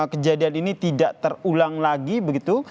kejadian ini tidak terulang lagi begitu